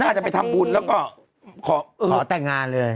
น่าจะไปทำบุญแล้วก็แป๊บอีกขอแต่งงานเลย